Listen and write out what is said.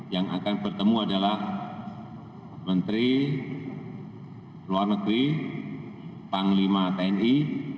yang akan bertemu adalah menteri luar negeri panglima tni